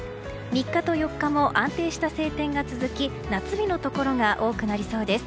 ３日と４日も安定した晴天が続き夏日のところが多くなりそうです。